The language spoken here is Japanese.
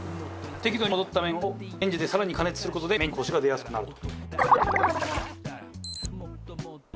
適度に戻った麺をレンジで更に加熱する事で麺にコシが出やすくなると。